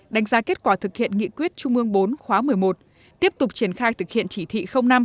đánh giá kết quả thực hiện nghị quyết trung ương bốn khóa một mươi một tiếp tục triển khai thực hiện chỉ thị năm